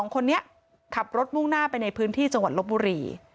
คนนี้ขับรถมุ่งหน้าไปในพื้นที่จังหวัดลบบุรี